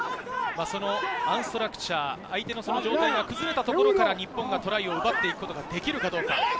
そのアンストラクチャー、相手の状態が崩れたところから日本がトライを奪っていくことができるかどうか。